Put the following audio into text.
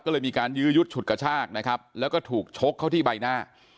ก็เลยมีการยื้อยุดฉุดกระชากนะครับแล้วก็ถูกชกเข้าที่ใบหน้า